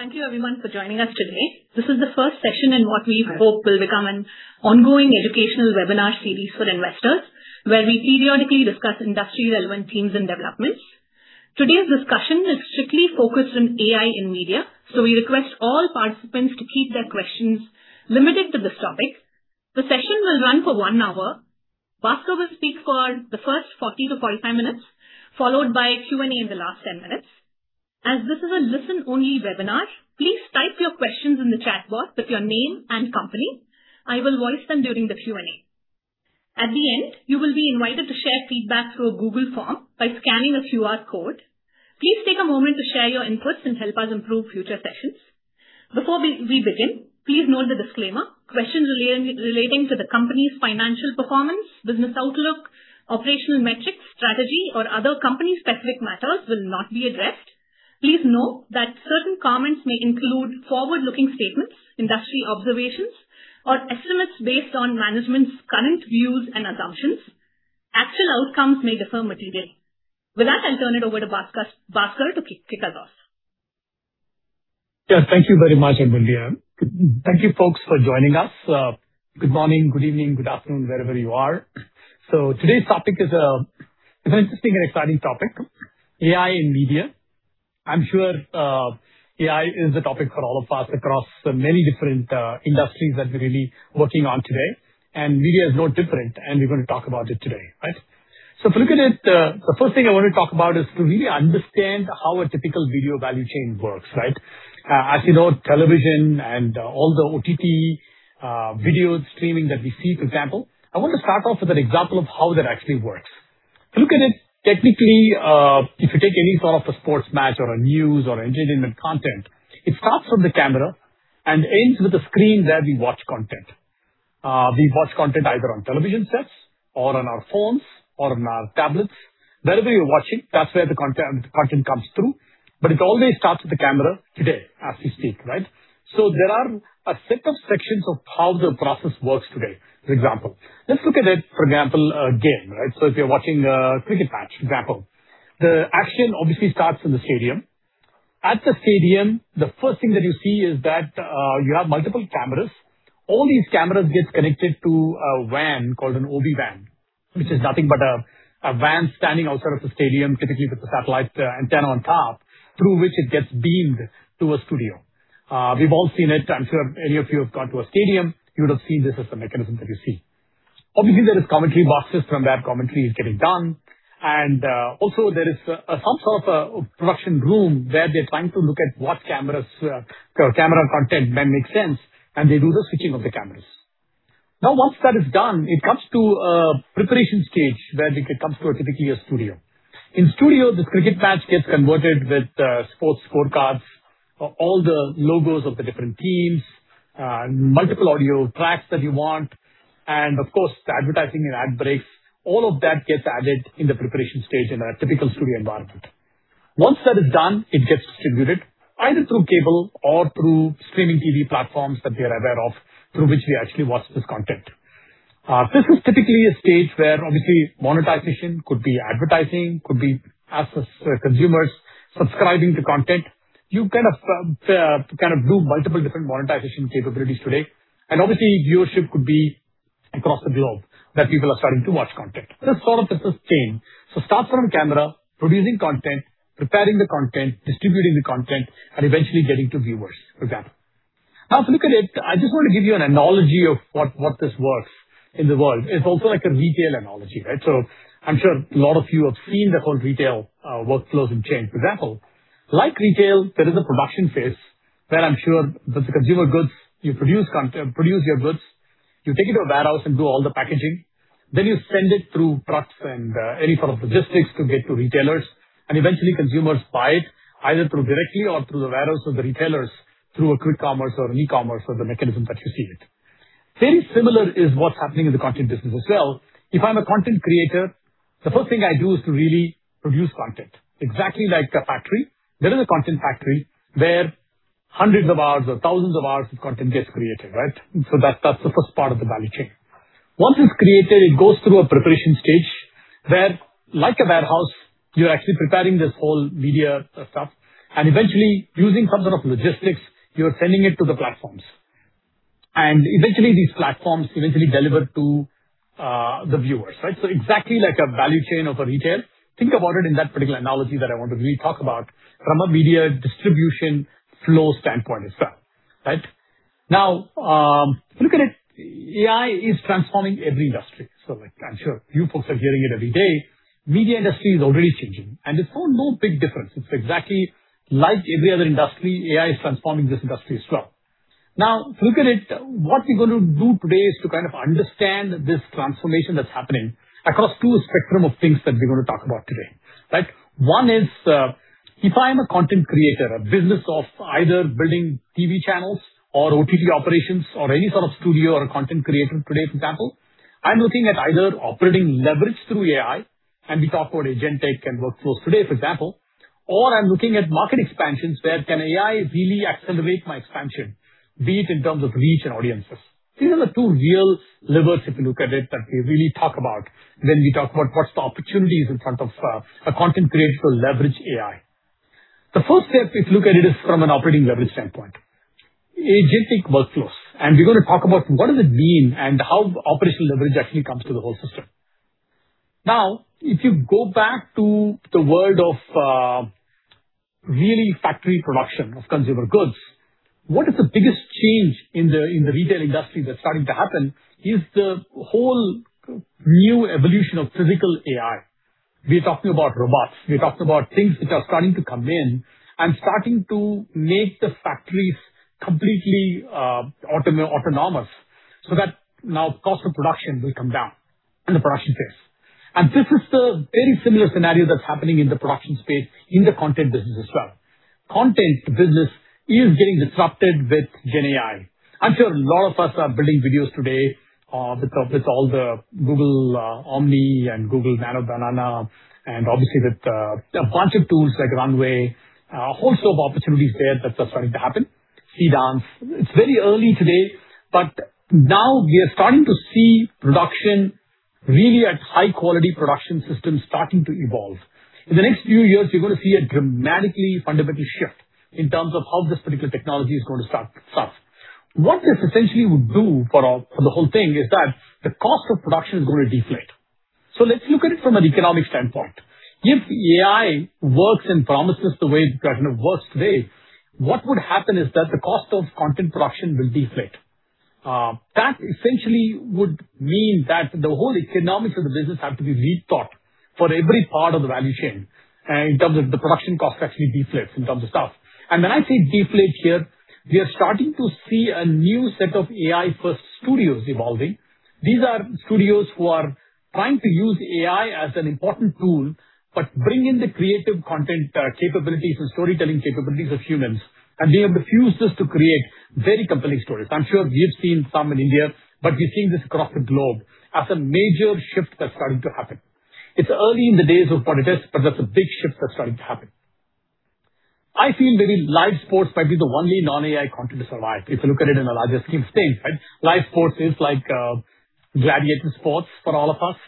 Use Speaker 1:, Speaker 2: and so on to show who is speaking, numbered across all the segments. Speaker 1: Thank you everyone for joining us today. This is the first session in what we hope will become an ongoing educational webinar series for investors, where we periodically discuss industry-relevant themes and developments. Today's discussion is strictly focused on AI in media, so we request all participants to keep their questions limited to this topic. The session will run for 1 hour. Baskar will speak for the first 40 to 45 minutes, followed by Q&A in the last 10 minutes. As this is a listen-only webinar, please type your questions in the chat box with your name and company. I will voice them during the Q&A. At the end, you will be invited to share feedback through a Google Form by scanning a QR code. Please take a moment to share your inputs and help us improve future sessions. Before we begin, please note the disclaimer. Questions relating to the company's financial performance, business outlook, operational metrics, strategy, or other company-specific matters will not be addressed. Please note that certain comments may include forward-looking statements, industry observations, or estimates based on management's current views and assumptions. Actual outcomes may differ materially. With that, I'll turn it over to Baskar to kick us off.
Speaker 2: Thank you very much, Angulia. Thank you folks for joining us. Good morning, good evening, good afternoon, wherever you are. Today's topic is an interesting and exciting topic, AI in media. I'm sure AI is a topic for all of us across many different industries that we're really working on today, and media is no different, and we're going to talk about it today. If you look at it, the first thing I want to talk about is to really understand how a typical video value chain works, right? As you know, television and all the OTT video streaming that we see, for example, I want to start off with an example of how that actually works. If you look at it technically, if you take any sort of a sports match or a news or entertainment content, it starts from the camera and ends with a screen where we watch content. We watch content either on television sets or on our phones or on our tablets. Wherever you watch it, that's where the content comes through. It always starts with the camera today, as we speak. There are a set of sections of how the process works today, for example. Let's look at it, for example, a game. If you're watching a cricket match, for example. The action obviously starts in the stadium. At the stadium, the first thing that you see is that you have multiple cameras. All these cameras get connected to a van called an OB van, which is nothing but a van standing outside of the stadium, typically with a satellite antenna on top, through which it gets beamed to a studio. We've all seen it. I'm sure if any of you have gone to a stadium, you would have seen this as the mechanism that you see. Obviously, there is commentary boxes from where commentary is getting done, and also there is some sort of a production room where they're trying to look at what camera content may make sense, and they do the switching of the cameras. Once that is done, it comes to a preparation stage where it comes to typically a studio. In studio, this cricket match gets converted with sports scorecards, all the logos of the different teams, multiple audio tracks that you want, and of course, the advertising and ad breaks. All of that gets added in the preparation stage in a typical studio environment. Once that is done, it gets distributed either through cable or through streaming TV platforms that we are aware of, through which we actually watch this content. This is typically a stage where obviously monetization could be advertising, could be us as consumers subscribing to content. You kind of do multiple different monetization capabilities today, and obviously, viewership could be across the globe, where people are starting to watch content. That's all of this chain. Starts from camera, producing content, preparing the content, distributing the content, and eventually getting to viewers, for example. If you look at it, I just want to give you an analogy of what this works in the world. It's also like a retail analogy, right? I'm sure a lot of you have seen the whole retail workflows and chain, for example. Like retail, there is a production phase where I'm sure that the consumer goods, you produce your goods, you take it to a warehouse and do all the packaging. You send it through trucks and any sort of logistics to get to retailers, and eventually consumers buy it either through directly or through the warehouse or the retailers through a quick commerce or an e-commerce or the mechanism that you see it. Very similar is what's happening in the content business as well. If I'm a content creator, the first thing I do is to really produce content. Exactly like a factory. There is a content factory where hundreds of hours or thousands of hours of content gets created, right? That's the first part of the value chain. Once it's created, it goes through a preparation stage where, like a warehouse, you're actually preparing this whole media stuff, and eventually, using some sort of logistics, you're sending it to the platforms. Eventually, these platforms eventually deliver to the viewers. Exactly like a value chain of a retail. Think about it in that particular analogy that I want to really talk about from a media distribution flow standpoint as well. If you look at it, AI is transforming every industry. I'm sure you folks are hearing it every day. Media industry is already changing, and it's no big difference. It's exactly like every other industry. AI is transforming this industry as well. If you look at it, what we're going to do today is to kind of understand this transformation that's happening across two spectrum of things that we're going to talk about today. One is, if I'm a content creator, a business of either building TV channels or OTT operations or any sort of studio or a content creator today, for example, I'm looking at either operating leverage through AI, and we talk about agent tech and workflows today, for example, or I'm looking at market expansions, where can AI really accelerate my expansion? Be it in terms of reach and audiences. These are the two real levers, if you look at it, that we really talk about when we talk about what's the opportunities in front of a content creator to leverage AI. The first step, if you look at it, is from an operating leverage standpoint. Agentic workflows. We're going to talk about what does it mean and how operational leverage actually comes to the whole system. If you go back to the world of really factory production of consumer goods, what is the biggest change in the retail industry that's starting to happen is the whole new evolution of physical AI. We're talking about robots. We're talking about things which are starting to come in and starting to make the factories completely autonomous, so that cost of production will come down in the production phase. This is the very similar scenario that's happening in the production space in the content business as well. Content business is getting disrupted with GenAI. I'm sure a lot of us are building videos today with all the Google Omni and Google Nano, and obviously with a bunch of tools like Runway, a whole slew of opportunities there that are starting to happen. CDance. It's very early today. Now we are starting to see production, really a high-quality production system starting to evolve. In the next few years, you're going to see a dramatically fundamental shift in terms of how this particular technology is going to start. What this essentially would do for the whole thing is that the cost of production is going to deflate. Let's look at it from an economic standpoint. If AI works and promises the way it kind of works today, what would happen is that the cost of content production will deflate. That essentially would mean that the whole economics of the business have to be rethought for every part of the value chain in terms of the production cost actually deflates in terms of stuff. When I say deflate here, we are starting to see a new set of AI-first studios evolving. These are studios who are trying to use AI as an important tool, but bring in the creative content capabilities and storytelling capabilities of humans, and they have fused this to create very compelling stories. I'm sure we've seen some in India. We've seen this across the globe as a major shift that's starting to happen. It's early in the days of what it is. That's a big shift that's starting to happen. I feel very live sports might be the only non-AI content to survive, if you look at it in a larger scheme of things, right? Live sports is like gladiators sports for all of us.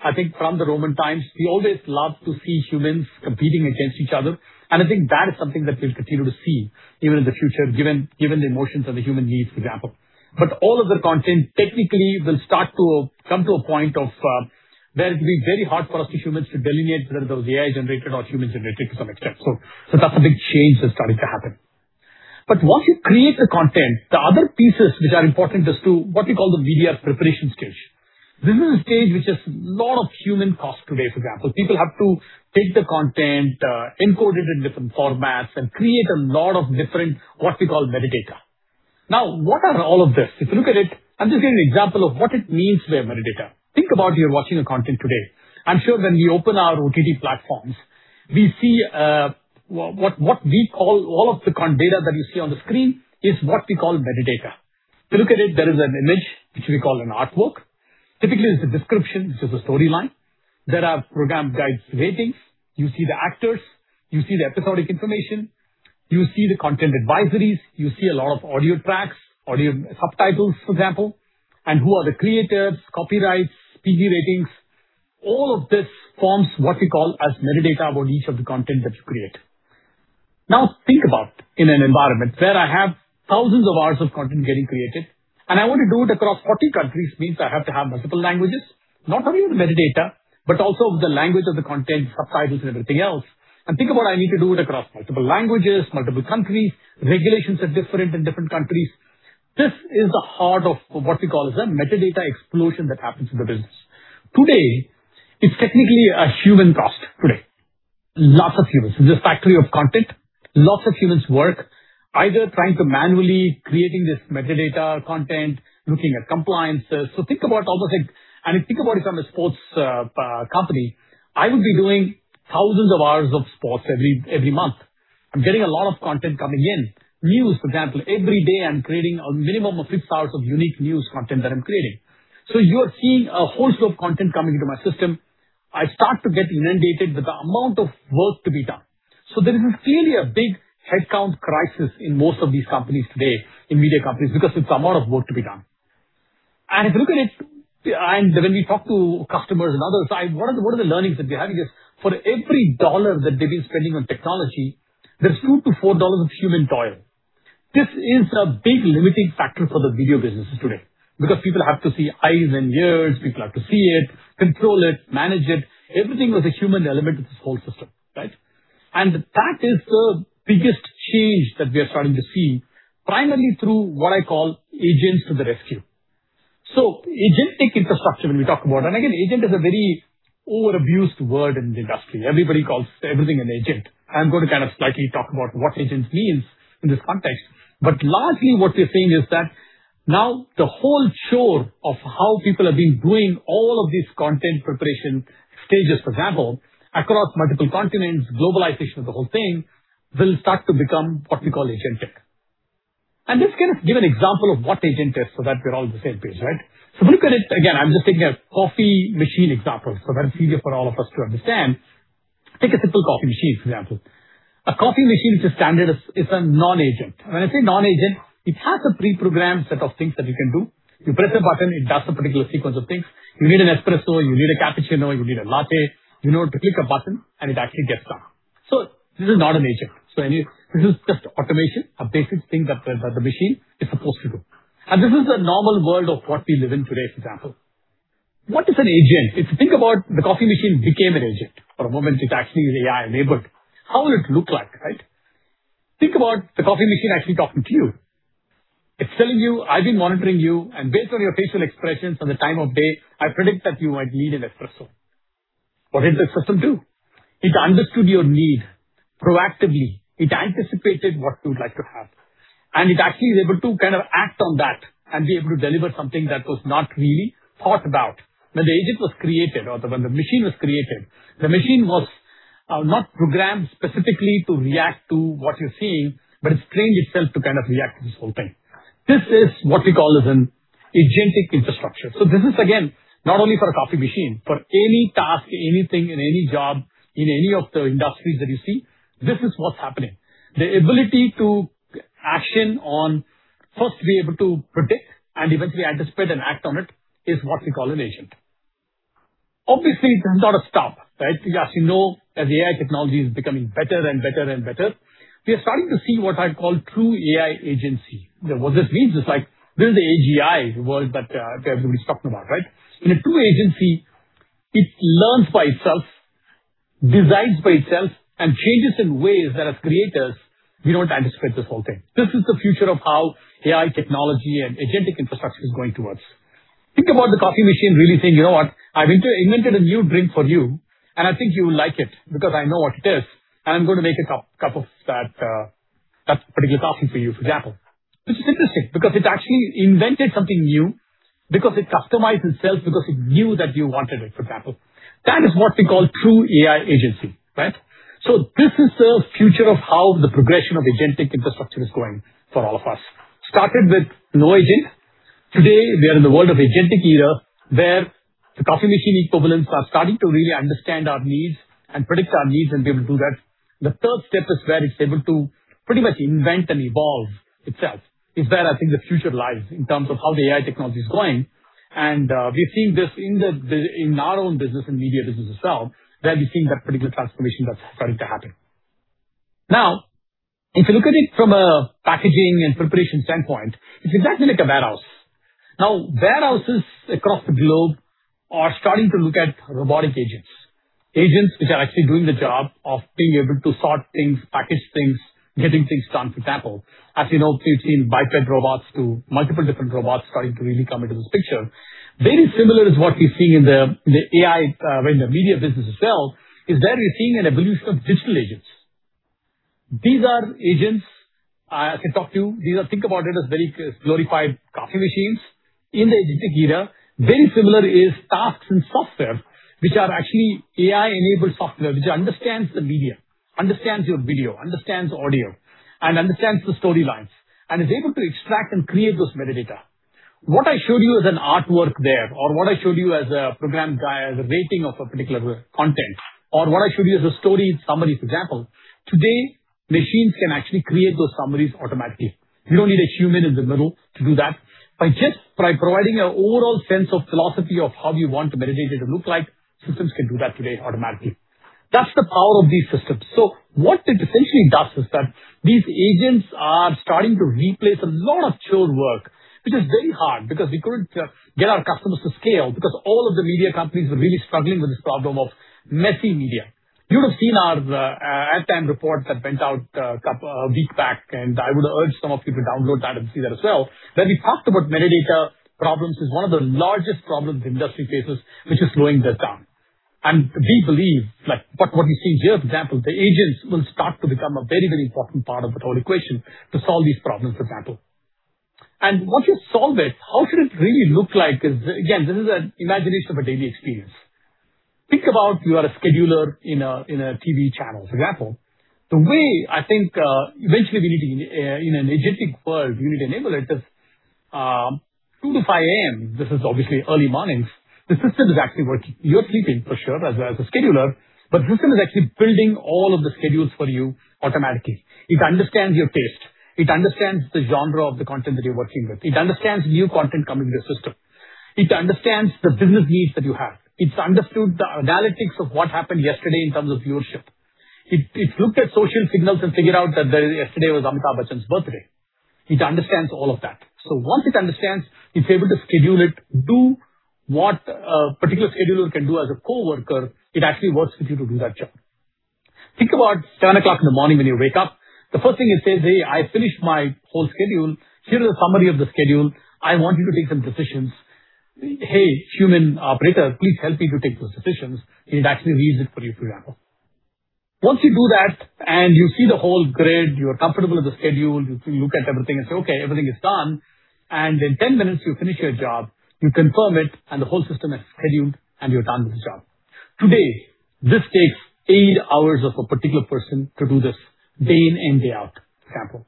Speaker 2: I think from the Roman times, we always loved to see humans competing against each other, and I think that is something that we'll continue to see even in the future, given the emotions and the human needs, for example. All of the content technically will start to come to a point of where it'll be very hard for us as humans to delineate whether it was AI-generated or human-generated to some extent. That's a big change that's starting to happen. Once you create the content, the other pieces which are important is to what we call the media preparation stage. This is a stage which has lot of human cost today, for example. People have to take the content, encode it in different formats, and create a lot of different, what we call metadata. Now, what are all of this? If you look at it, I'm just giving an example of what it means by metadata. Think about you're watching a content today. I'm sure when we open our OTT platforms, we see what we call all of the data that you see on the screen is what we call metadata. If you look at it, there is an image, which we call an artwork. Typically, it's a description, which is a storyline. There are program guides, ratings. You see the actors, you see the episodic information, you see the content advisories, you see a lot of audio tracks, audio subtitles, for example, and who are the creators, copyrights, PG ratings. All of this forms what we call as metadata about each of the content that you create. Now, think about in an environment where I have thousands of hours of content getting created, and I want to do it across 40 countries, means I have to have multiple languages, not only of the metadata, but also of the language of the content, subtitles, and everything else. Think about I need to do it across multiple languages, multiple countries. Regulations are different in different countries. This is the heart of what we call is a metadata explosion that happens in the business. Today, it's technically a human cost today. Lots of humans. In this factory of content, lots of humans work either trying to manually creating this metadata content, looking at compliances. Think about all those things. Think about if I'm a sports company, I would be doing thousands of hours of sports every month. I'm getting a lot of content coming in. News, for example. Every day, I'm creating a minimum of six hours of unique news content that I'm creating. You are seeing a whole slew of content coming into my system. I start to get inundated with the amount of work to be done. There is clearly a big headcount crisis in most of these companies today, in media companies, because it's amount of work to be done. If you look at it, and when we talk to customers and others, one of the learnings that we're having is for every dollar that they've been spending on technology, there's $2-$4 of human toil. This is a big limiting factor for the video businesses today, because people have to see eyes and ears, people have to see it, control it, manage it. Everything has a human element to this whole system, right? That is the biggest change that we are starting to see, primarily through what I call agents to the rescue. Agentic infrastructure, when we talk about it, and again, agent is a very overabused word in the industry. Everybody calls everything an agent. I'm going to kind of slightly talk about what agent means in this context. Largely, what we're seeing is that now the whole chore of how people have been doing all of these content preparation stages, for example, across multiple continents, globalization of the whole thing, will start to become what we call agentic. Let's kind of give an example of what agent is so that we're all on the same page, right? If you look at it, again, I'm just taking a coffee machine example, so that it's easier for all of us to understand. Take a simple coffee machine, for example. A coffee machine which is standard is a non-agent. When I say non-agent, it has a pre-programmed set of things that you can do. You press a button, it does a particular sequence of things. You need an espresso, you need a cappuccino, you need a latte, you know to click a button, and it actually gets done. Anyway, this is just automation, a basic thing that the machine is supposed to do. This is the normal world of what we live in today, for example. What is an agent? If you think about the coffee machine became an agent for a moment, it's actually AI-enabled. How will it look like, right? Think about the coffee machine actually talking to you. It's telling you, "I've been monitoring you, and based on your facial expressions and the time of day, I predict that you might need an espresso." What did the system do? It understood your need proactively. It anticipated what you'd like to have. It actually is able to kind of act on that and be able to deliver something that was not really thought about. When the agent was created or when the machine was created, the machine was not programmed specifically to react to what you're seeing, but it's trained itself to kind of react to this whole thing. This is what we call as an agentic infrastructure. This is again, not only for a coffee machine, for any task, anything in any job in any of the industries that you see, this is what's happening. The ability to action on first be able to predict and eventually anticipate and act on it is what we call an agent. Obviously, it does not stop, right? As you know, as AI technology is becoming better and better and better, we are starting to see what I call true AI agency. What this means is like build AGI world that everybody's talking about, right? In a true agency, it learns by itself, designs by itself, changes in ways that as creators, we don't anticipate this whole thing. This is the future of how AI technology and agentic infrastructure is going towards. Think about the coffee machine really saying, "You know what? I've invented a new drink for you, and I think you will like it because I know what it is, and I'm going to make a cup of that particular coffee for you," for example. This is interesting because it actually invented something new, because it customized itself, because it knew that you wanted it, for example. That is what we call true AI agency, right? This is the future of how the progression of agentic infrastructure is going for all of us. Started with no agent. Today, we are in the world of agentic era, where the coffee machine equivalents are starting to really understand our needs and predict our needs and be able to do that. The third step is where it's able to pretty much invent and evolve itself. This is where I think the future lies in terms of how the AI technology is going. We've seen this in our own business and media business itself, where we've seen that particular transformation that's starting to happen. If you look at it from a packaging and preparation standpoint, it's exactly like a warehouse. Warehouses across the globe are starting to look at robotic agents which are actually doing the job of being able to sort things, package things, getting things done, for example. As you know, you've seen biped robots to multiple different robots starting to really come into this picture. Very similar is what we see in the AI, when the media business itself, is where we're seeing an evolution of digital agents. These are agents I can talk to. Think about it as very glorified coffee machines in the agentic era. Very similar is tasks and software, which are actually AI-enabled software, which understands the media, understands your video, understands audio, and understands the storylines, and is able to extract and create those metadata. What I showed you as an artwork there, or what I showed you as a program, as a rating of a particular content, or what I showed you as a story summary, for example, today, machines can actually create those summaries automatically. You don't need a human in the middle to do that. By just providing an overall sense of philosophy of how you want the metadata to look like, systems can do that today automatically. That's the power of these systems. What it essentially does is that these agents are starting to replace a lot of churn work, which is very hard because we couldn't get our customers to scale because all of the media companies were really struggling with this problem of messy media. You would have seen our ad time report that went out a week back. I would urge some of you to download that and see that as well. We talked about metadata problems is one of the largest problems the industry faces, which is slowing them down. We believe, like what we see here, for example, the agents will start to become a very, very important part of the whole equation to solve these problems, for example. Once you solve it, how should it really look like? Again, this is an imagination of a daily experience. Think about you are a scheduler in a TV channel, for example. The way I think eventually we need in an agentic world, we need to enable it is 2:00 to 5:00 A.M. This is obviously early mornings. The system is actually working. You're sleeping for sure as a scheduler, but the system is actually building all of the schedules for you automatically. It understands your taste. It understands the genre of the content that you're working with. It understands new content coming in the system. It understands the business needs that you have. It's understood the analytics of what happened yesterday in terms of viewership. It looked at social signals and figured out that yesterday was Amitabh Bachchan's birthday. It understands all of that. Once it understands, it's able to schedule it, do what a particular scheduler can do as a coworker, it actually works with you to do that job. Think about 10:00 in the morning when you wake up. The first thing it says, "Hey, I finished my whole schedule. Here is a summary of the schedule. I want you to take some decisions. Hey, human operator, please help me to take those decisions." It actually reads it for you, for example. Once you do that and you see the whole grid, you are comfortable with the schedule, you look at everything and say, "Okay, everything is done." In 10 minutes, you finish your job, you confirm it, and the whole system is scheduled, and you're done with the job. Today, this takes eight hours of a particular person to do this day in and day out, for example.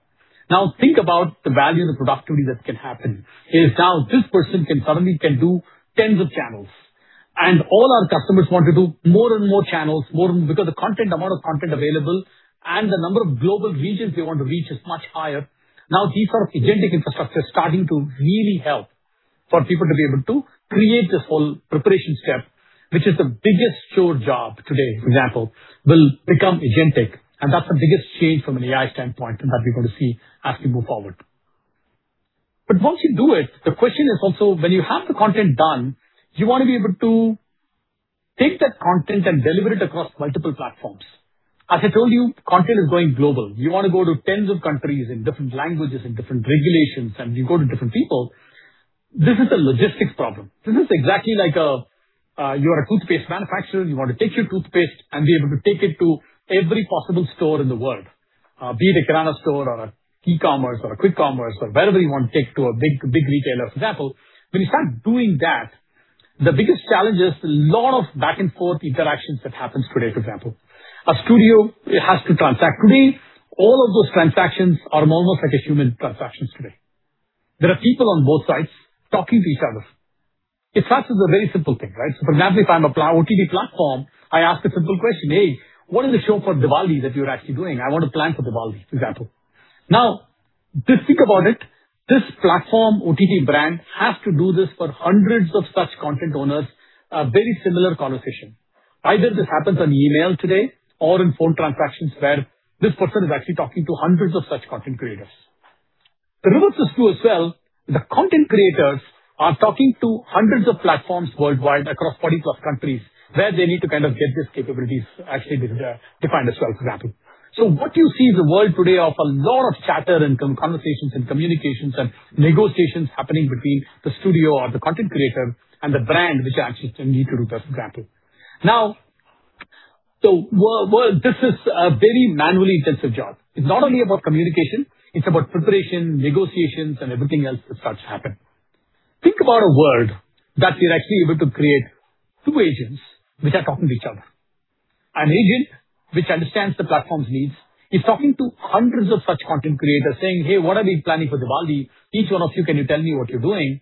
Speaker 2: Think about the value and the productivity that can happen is now this person can suddenly do tens of channels. All our customers want to do more and more channels, because the amount of content available and the number of global regions they want to reach is much higher. These sort of agentic infrastructure is starting to really help for people to be able to create this whole preparation step, which is the biggest chore job today, for example, will become agentic, that's the biggest change from an AI standpoint that we're going to see as we move forward. Once you do it, the question is also when you have the content done, you want to be able to take that content and deliver it across multiple platforms. As I told you, content is going global. You want to go to tens of countries in different languages and different regulations, and you go to different people. This is a logistics problem. This is exactly like you are a toothpaste manufacturer, you want to take your toothpaste and be able to take it to every possible store in the world, be it a Kirana store or an e-commerce or a quick commerce or wherever you want to take to a big retailer, for example. When you start doing that, the biggest challenge is a lot of back and forth interactions that happens today, for example. A studio, it has to transact. Today, all of those transactions are almost like human transactions today. There are people on both sides talking to each other. It starts with a very simple thing, right? For example, if I'm an OTT platform, I ask a simple question, "Hey, what is the show for Diwali that you're actually doing? I want to plan for Diwali," for example. Now, just think about it. This platform OTT brand has to do this for hundreds of such content owners, a very similar conversation. Either this happens on email today or in phone transactions where this person is actually talking to hundreds of such content creators. The reverse is true as well. The content creators are talking to hundreds of platforms worldwide across 40 plus countries, where they need to get these capabilities actually defined as well, for example. What you see is a world today of a lot of chatter and conversations and communications and negotiations happening between the studio or the content creator and the brand which actually need to do this, for example. Now, this is a very manually intensive job. It's not only about communication, it's about preparation, negotiations, and everything else that starts to happen. Think about a world that you're actually able to create two agents which are talking to each other. An agent which understands the platform's needs is talking to hundreds of such content creators saying, "Hey, what are we planning for Diwali? Each one of you, can you tell me what you're doing?"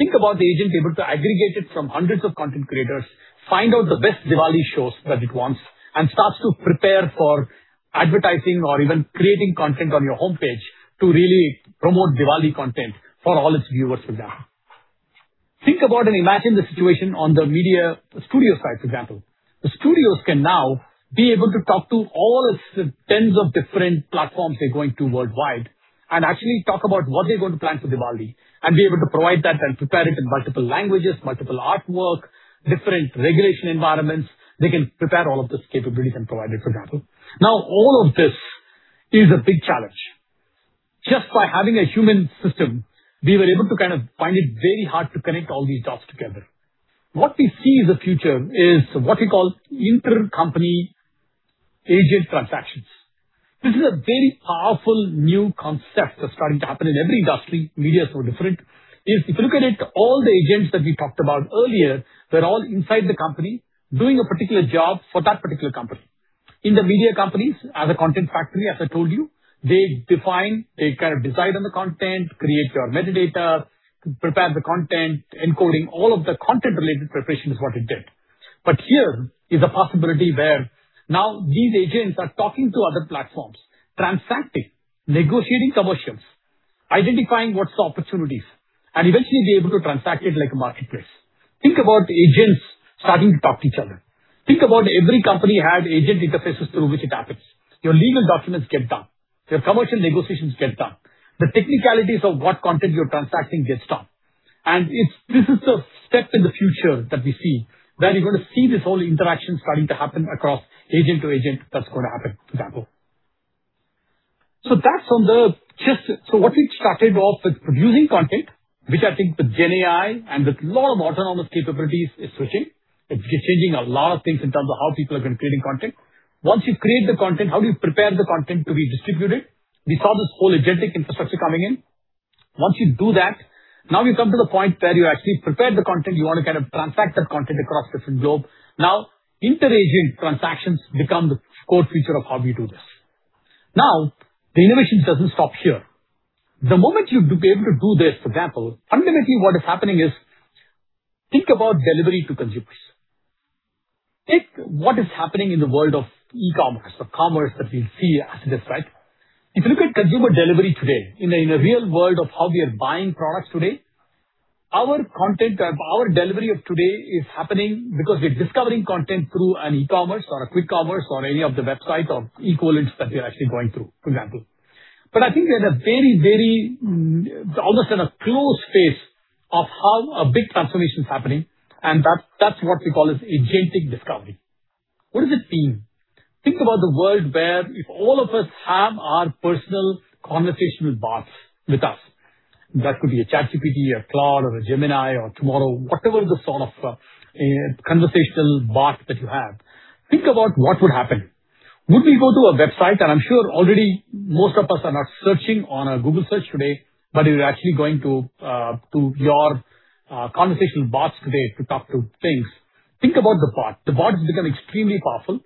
Speaker 2: Think about the agent able to aggregate it from hundreds of content creators, find out the best Diwali shows that it wants, and starts to prepare for advertising or even creating content on your homepage to really promote Diwali content for all its viewers, for example. Think about and imagine the situation on the media studio side, for example. The studios can now be able to talk to all the tens of different platforms they're going to worldwide and actually talk about what they're going to plan for Diwali and be able to provide that and prepare it in multiple languages, multiple artwork, different regulation environments. They can prepare all of this capabilities and provide it, for example. Now, all of this is a big challenge. Just by having a human system, we were able to find it very hard to connect all these dots together. What we see is the future is what we call intercompany agent transactions. This is a very powerful new concept that's starting to happen in every industry. Media is no different. If you look at it, all the agents that we talked about earlier, were all inside the company doing a particular job for that particular company. In the media companies, as a content factory, as I told you, they define, they decide on the content, create your metadata, prepare the content, encoding all of the content related preparation is what it did. Here is a possibility where now these agents are talking to other platforms, transacting, negotiating commercials, identifying what's the opportunities, and eventually be able to transact it like a marketplace. Think about agents starting to talk to each other. Think about every company has agent interfaces through which it happens. Your legal documents get done. Your commercial negotiations get done. The technicalities of what content you're transacting gets done. This is a step in the future that we see, where you're going to see this whole interaction starting to happen across agent to agent that's going to happen, for example. What we started off with producing content, which I think with GenAI and with a lot of autonomous capabilities is switching. It's changing a lot of things in terms of how people are going to creating content. Once you create the content, how do you prepare the content to be distributed? We saw this whole agentic infrastructure coming in. Once you do that, you come to the point where you actually prepared the content, you want to transact that content across different globe. Inter-agent transactions become the core feature of how you do this. The innovation doesn't stop here. The moment you'll be able to do this, for example, fundamentally what is happening is think about delivery to consumers. Take what is happening in the world of e-commerce or commerce that we see as it is, right? If you look at consumer delivery today in a real world of how we are buying products today, our delivery of today is happening because we're discovering content through an e-commerce or a quick commerce or any of the websites or equivalents that we are actually going through, for example. I think we are in a very, very, almost in a close phase of how a big transformation is happening, and that's what we call as agentic discovery. What does it mean? Think about the world where if all of us have our personal conversational bots with us. That could be a ChatGPT, a Claude or a Gemini or tomorrow, whatever the sort of conversational bot that you have, think about what would happen. Would we go to a website? I'm sure already most of us are not searching on a Google Search today, but we're actually going to your conversational bots today to talk to things. Think about the bot. The bot has become extremely powerful.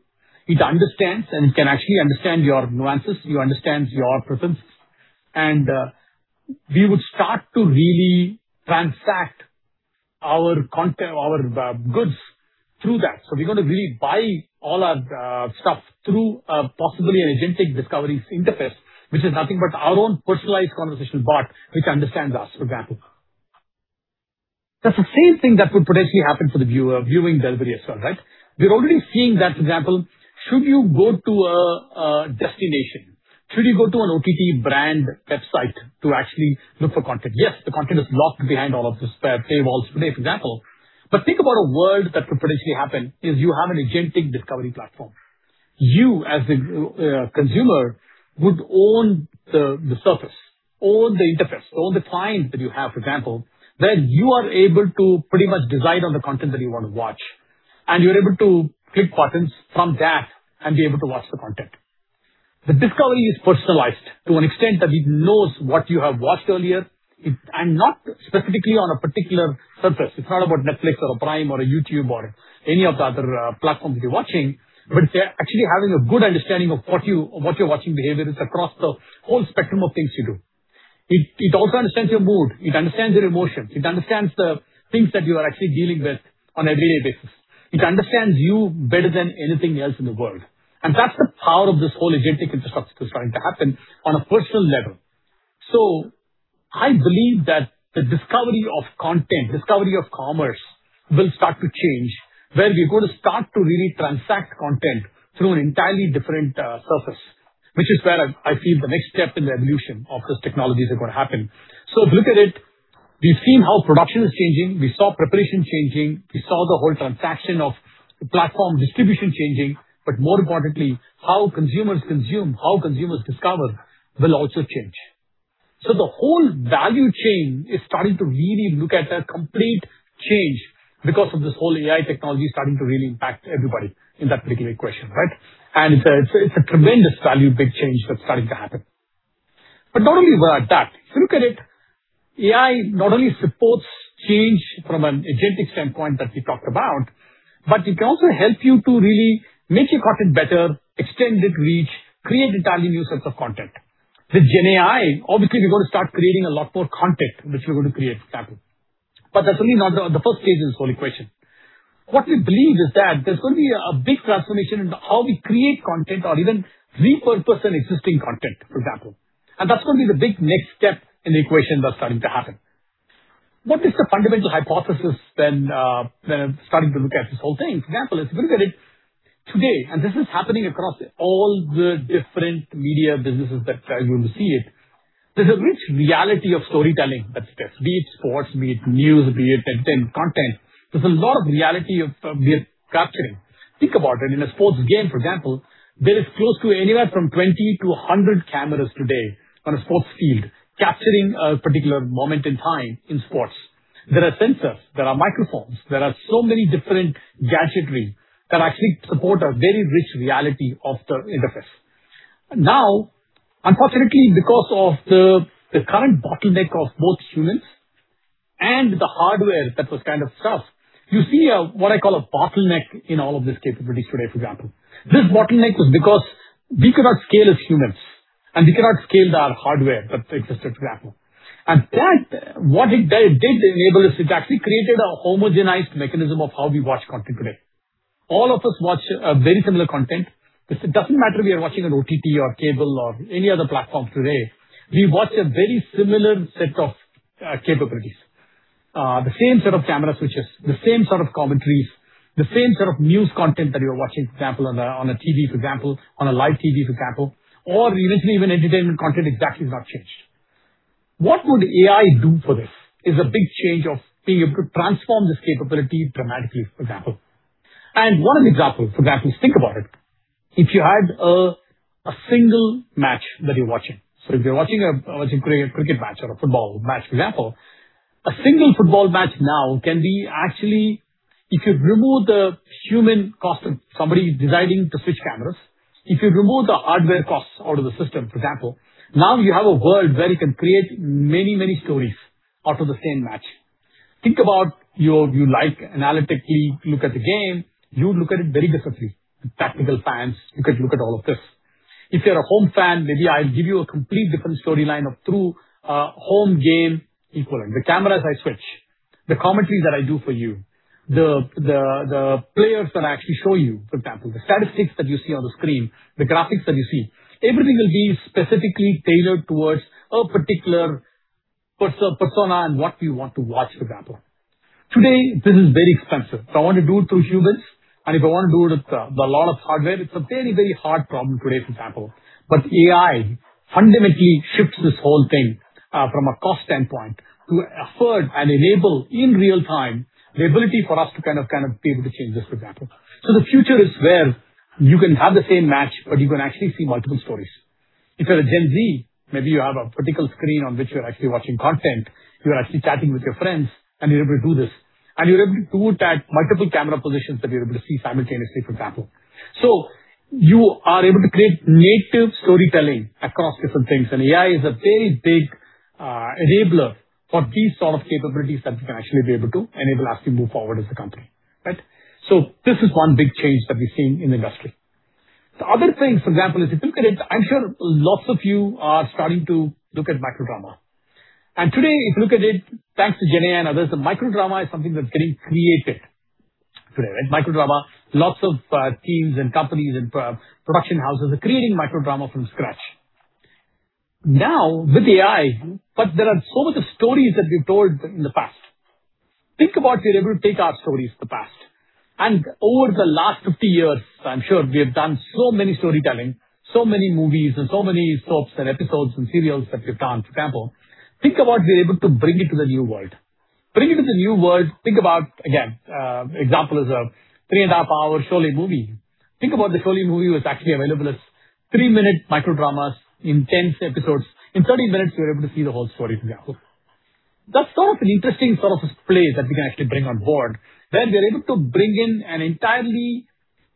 Speaker 2: It understands, and it can actually understand your nuances, it understands your preferences, and we would start to really transact our goods through that. We're going to really buy all our stuff through possibly an agentic discovery interface, which is nothing but our own personalized conversational bot, which understands us, for example. That's the same thing that would potentially happen for the viewing delivery as well, right? We're already seeing that, for example, should you go to a destination? Should you go to an OTT brand website to actually look for content? Yes, the content is locked behind all of this paywalls today, for example. Think about a world that could potentially happen is you have an agentic discovery platform. You, as a consumer, would own the surface, own the interface, own the client that you have, for example, where you are able to pretty much decide on the content that you want to watch, and you're able to click buttons from that and be able to watch the content. The discovery is personalized to an extent that it knows what you have watched earlier. Not specifically on a particular surface. It's not about Netflix or a Prime or a YouTube or any of the other platforms you're watching, but it's actually having a good understanding of what you're watching behaviors across the whole spectrum of things you do. It also understands your mood, it understands your emotion, it understands the things that you are actually dealing with on a day-to-day basis. It understands you better than anything else in the world. That's the power of this whole agentic infrastructure that's trying to happen on a personal level. I believe that the discovery of content, discovery of commerce, will start to change, where we're going to start to really transact content through an entirely different surface, which is where I feel the next step in the evolution of these technologies are going to happen. If you look at it, we've seen how production is changing. We saw preparation changing. We saw the whole transaction of platform distribution changing, but more importantly, how consumers consume, how consumers discover, will also change. The whole value chain is starting to really look at a complete change because of this whole AI technology starting to really impact everybody in that particular equation, right? It's a tremendous value, big change that's starting to happen. Not only that, if you look at it, AI not only supports change from an agentic standpoint that we talked about, but it can also help you to really make your content better, extend its reach, create entirely new sets of content. With GenAI, obviously, we're going to start creating a lot more content, which we're going to create, for example. That's only the first stage in this whole equation. What we believe is that there's going to be a big transformation in how we create content or even repurpose an existing content, for example. That's going to be the big next step in the equation that's starting to happen. What is the fundamental hypothesis then, starting to look at this whole thing? For example, if you look at it today, this is happening across all the different media businesses that you will see it. There's a rich reality of storytelling that's there, be it sports, be it news, be it content. There's a lot of reality we're capturing. Think about it. In a sports game, for example, there is close to anywhere from 20 to 100 cameras today on a sports field capturing a particular moment in time in sports. There are sensors, there are microphones, there are so many different gadgetry that actually support a very rich reality of the interface. Unfortunately, because of the current bottleneck of both humans and the hardware that was kind of scarce, you see what I call a bottleneck in all of these capabilities today, for example. This bottleneck was because we could not scale as humans, and we cannot scale the hardware that existed, for example. That, what it did enable is it actually created a homogenized mechanism of how we watch content today. All of us watch very similar content. It doesn't matter if we are watching on OTT or cable or any other platform today, we watch a very similar set of capabilities. The same set of camera switches, the same sort of commentaries, the same sort of news content that you're watching, for example, on a TV, for example, on a live TV, for example, or even entertainment content exactly is not changed. What would AI do for this is a big change of being able to transform this capability dramatically, for example. One example, for example, think about it. If you had a single match that you're watching, if you're watching a cricket match or a football match, for example, a single football match now can be if you remove the human cost of somebody deciding to switch cameras, if you remove the hardware costs out of the system, for example, now you have a world where you can create many, many stories out of the same match. Think about you like analytically look at the game, you look at it very differently. Tactical fans, you can look at all of this. If you're a home fan, maybe I'll give you a complete different storyline of through a home game equivalent. The cameras I switch, the commentary that I do for you, the players that I actually show you, for example, the statistics that you see on the screen, the graphics that you see, everything will be specifically tailored towards a particular persona and what you want to watch, for example. Today, this is very expensive. If I want to do it through humans, if I want to do it with a lot of hardware, it's a very, very hard problem today, for example. AI fundamentally shifts this whole thing, from a cost standpoint, to afford and enable in real-time, the ability for us to kind of be able to change this, for example. The future is where you can have the same match, but you can actually see multiple stories. If you're a Gen Z, maybe you have a particular screen on which you're actually watching content, you're actually chatting with your friends, and you're able to do this. You're able to do it at multiple camera positions that you're able to see simultaneously, for example. You are able to create native storytelling across different things, AI is a very big enabler for these sort of capabilities that we can actually be able to enable as we move forward as a company, right? This is one big change that we're seeing in the industry. The other thing, for example, is if you look at it, I'm sure lots of you are starting to look at micro-drama. Today, if you look at it, thanks to GenAI and others, micro-drama is something that's getting created today, right? Micro drama, lots of teams and companies and production houses are creating micro drama from scratch. Now with AI, there are so many stories that we've told in the past. We are able to take our stories of the past, over the last 50 years, I'm sure we have done so many storytelling, so many movies, and so many soaps and episodes and serials that we've done, for example. We are able to bring it to the new world. Bring it to the new world. Example is a three-and-a-half-hour Sholay movie. The Sholay movie was actually available as 3-minute micro dramas in 10 episodes. In 30 minutes, you're able to see the whole story, for example. That's sort of an interesting sort of play that we can actually bring on board, where we are able to bring in an entirely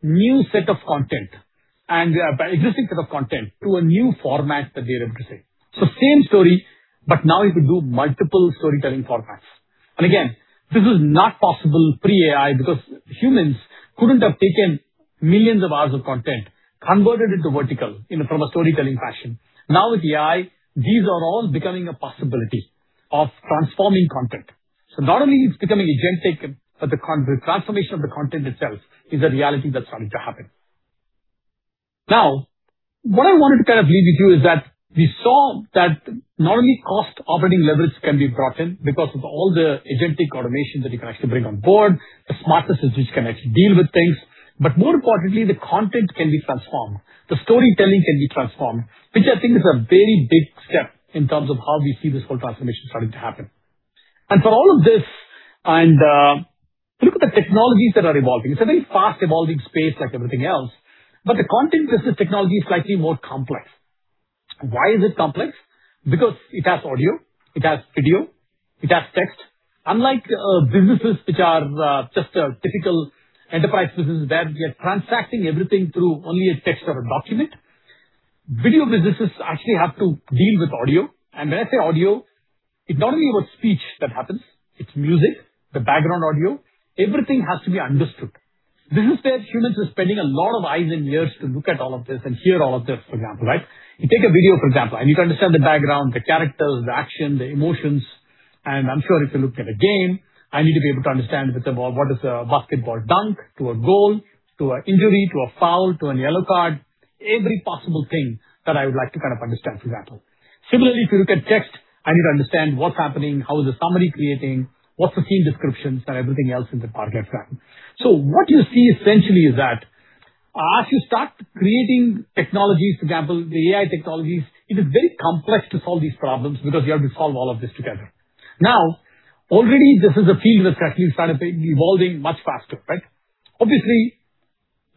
Speaker 2: new set of content and existing set of content to a new format that we are able to see. Same story, now you could do multiple storytelling formats. Again, this is not possible pre-AI because humans couldn't have taken millions of hours of content, converted into vertical from a storytelling fashion. Now with AI, these are all becoming a possibility of transforming content. Not only it's becoming agentic, the transformation of the content itself is a reality that's starting to happen. What I wanted to kind of leave with you is that we saw that not only cost operating levels can be brought in because of all the agentic automation that you can actually bring on board, the smartness which can actually deal with things. More importantly, the content can be transformed, the storytelling can be transformed, which I think is a very big step in terms of how we see this whole transformation starting to happen. For all of this, if you look at the technologies that are evolving, it's a very fast evolving space like everything else. The content business technology is slightly more complex. Why is it complex? Because it has audio, it has video, it has text. Unlike businesses which are just a typical enterprise businesses where we are transacting everything through only a text or a document, video businesses actually have to deal with audio. When I say audio, it's not only about speech that happens, it's music, the background audio, everything has to be understood. This is where humans are spending a lot of eyes and ears to look at all of this and hear all of this, for example. You take a video, for example. I need to understand the background, the characters, the action, the emotions, and I'm sure if you look at a game, I need to be able to understand a bit about what is a basketball dunk to a goal, to an injury, to a foul, to a yellow card. Every possible thing that I would like to kind of understand, for example. Similarly, if you look at text, I need to understand what's happening, how is the summary creating, what's the scene descriptions, and everything else in that part that's happening. What you see essentially is that as you start creating technologies, for example, the AI technologies, it is very complex to solve these problems because you have to solve all of this together. Already this is a field that's actually started evolving much faster, right? Obviously,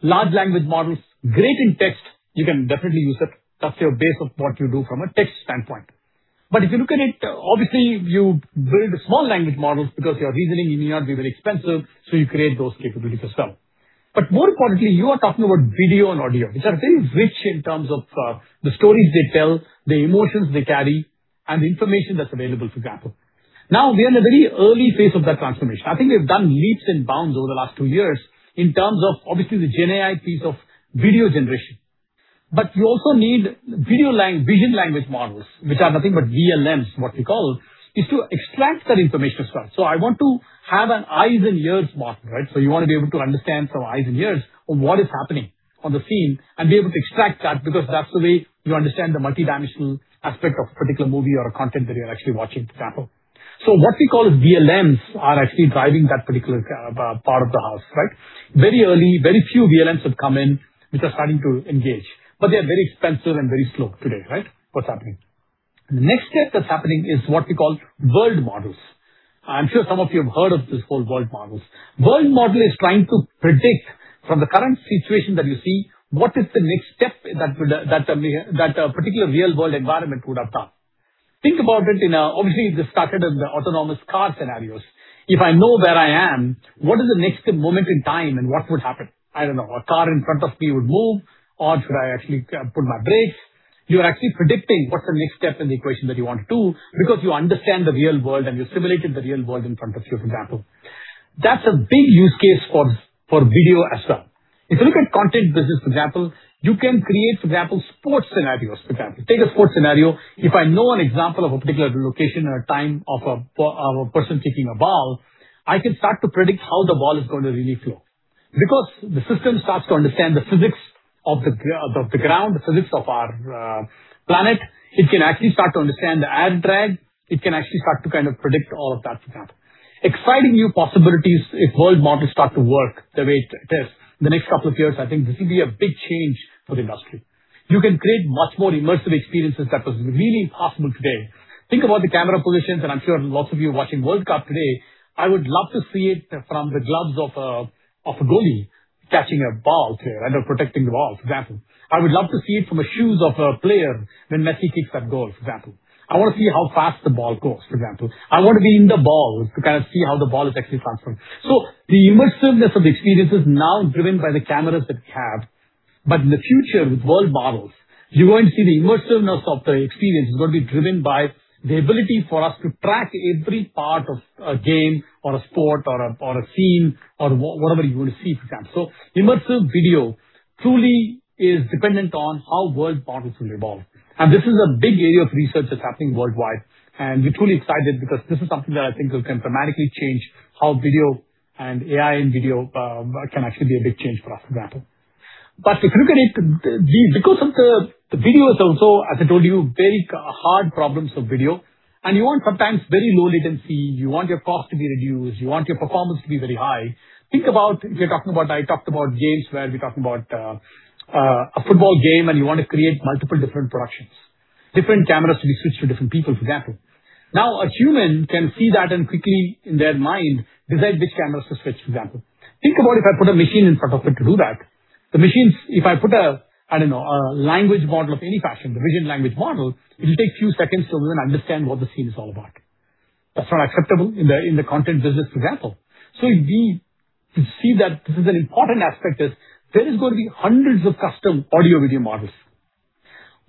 Speaker 2: large language models, great in text. You can definitely use it. That's your base of what you do from a text standpoint. If you look at it, obviously, you build small language models because your reasoning, it may not be very expensive, so you create those capabilities as well. More importantly, you are talking about video and audio, which are very rich in terms of the stories they tell, the emotions they carry, and the information that's available, for example. We are in a very early phase of that transformation. I think we've done leaps and bounds over the last two years in terms of obviously the GenAI piece of video generation. You also need video vision language models, which are nothing but VLMs, what we call, is to extract that information as well. I want to have an eyes and ears model, right? You want to be able to understand from our eyes and ears of what is happening on the scene and be able to extract that because that's the way you understand the multidimensional aspect of a particular movie or a content that you're actually watching, for example. What we call VLMs are actually driving that particular part of the house, right? Very early, very few VLMs have come in which are starting to engage, but they are very expensive and very slow today, right? What's happening. The next step that's happening is what we call world models. I'm sure some of you have heard of this whole world models. World model is trying to predict from the current situation that you see, what is the next step that a particular real world environment would have taken. Think about it in a-- obviously, this started in the autonomous car scenarios. If I know where I am, what is the next moment in time and what would happen? I don't know. A car in front of me would move, or should I actually put my brakes? You are actually predicting what's the next step in the equation that you want to do because you understand the real world and you simulated the real world in front of you, for example. That's a big use case for video as well. If you look at content business, for example, you can create, for example, sports scenarios, for example. Take a sports scenario. If I know an example of a particular location or a time of a person kicking a ball, I can start to predict how the ball is going to really flow. Because the system starts to understand the physics of the ground, the physics of our planet. It can actually start to understand the air drag. It can actually start to kind of predict all of that, for example. Exciting new possibilities if world models start to work the way it is. In the next couple of years, I think this will be a big change for the industry. You can create much more immersive experiences that was really impossible today. Think about the camera positions, and I'm sure lots of you watching World Cup today. I would love to see it from the gloves of a goalie catching a ball, rather protecting the ball, for example. I would love to see it from the shoes of a player when Messi kicks that goal, for example. I want to see how fast the ball goes, for example. I want to be in the ball to kind of see how the ball is actually transferred. The immersiveness of the experience is now driven by the cameras that we have. In the future, with world models, you're going to see the immersiveness of the experience is going to be driven by the ability for us to track every part of a game or a sport or a scene or whatever you want to see, for example. Immersive video truly is dependent on how world models will evolve. This is a big area of research that's happening worldwide, and we're truly excited because this is something that I think can dramatically change how video and AI in video can actually be a big change for us, for example. If you look at it, because of the videos also, as I told you, very hard problems of video, and you want sometimes very low latency, you want your cost to be reduced, you want your performance to be very high. Think about if you're talking about, I talked about games where we're talking about a football game, and you want to create multiple different productions, different cameras to be switched to different people, for example. Now, a human can see that and quickly in their mind decide which cameras to switch, for example. Think about if I put a machine in front of it to do that. The machines, if I put a, I don't know, a language model of any fashion, the vision language model, it'll take few seconds to even understand what the scene is all about. That's not acceptable in the content business, for example. We see that this is an important aspect, is there is going to be hundreds of custom audio-video models